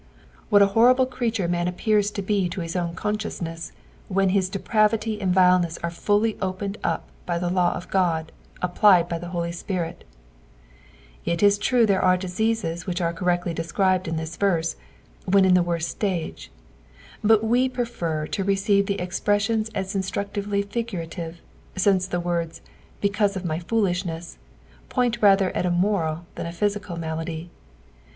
What a horrible creature man appears to be to his own consciousness when his depravity and vileness are fully opened up by the law of Qod, applied by the Holy Spirit 1 It is true there aru diseases which are correctly described in this verse, when in the worst stage ; but we prefer to receive the expressions ss instructively figurative, since the words "because of my foolishness" point rather at a moial than a physical malady.